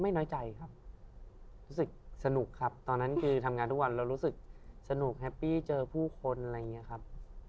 น้อยใจครับรู้สึกสนุกครับตอนนั้นคือทำงานทุกวันเรารู้สึกสนุกแฮปปี้เจอผู้คนอะไรอย่างนี้ครับ